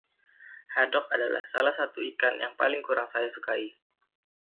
Haddock adalah salah satu ikan yang paling kurang saya sukai